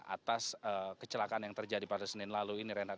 atas kecelakaan yang terjadi pada senin lalu ini reinhard